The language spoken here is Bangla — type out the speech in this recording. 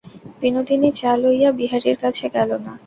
বিনোদিনী, চা লইয়া বিহারীর কাছে গেল না।